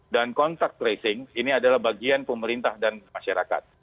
dan contact tracing ini adalah bagian pemerintah dan masyarakat